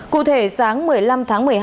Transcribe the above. cụ thể sáng một mươi năm tháng một mươi hai